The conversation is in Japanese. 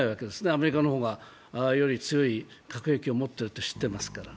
アメリカの方がより強い核兵器を持ってるって知ってますから。